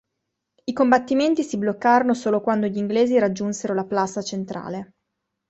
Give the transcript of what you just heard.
I combattimenti si bloccarono solo quando gli inglesi raggiunsero la "Plaza" centrale.